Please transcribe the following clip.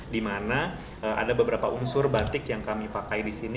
di mana ada beberapa unsur batik yang kami pakai di sini